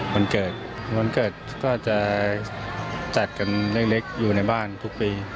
วันเกิดวันเกิดก็จะจัดกันเล็กอยู่ในบ้านทุกปี